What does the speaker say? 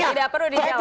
tidak perlu dijawab itu